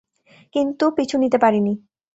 কিন্তু পিছু নিতে পারিনি।